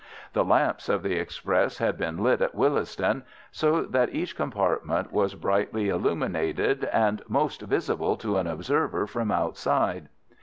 The lamps of the express had been lit at Willesden, so that each compartment was brightly illuminated, and most visible to an observer from outside.